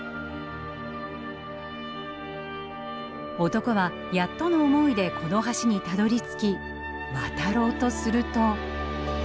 男はやっとの思いでこの橋にたどりつき渡ろうとすると。